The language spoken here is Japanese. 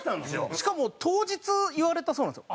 しかも当日言われたそうなんですよ。